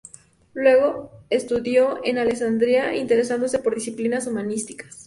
Luego, estudió en Alessandria, interesándose por disciplinas humanísticas.